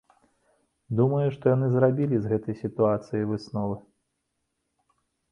Думаю, што яны зрабілі з гэтай сітуацыі высновы.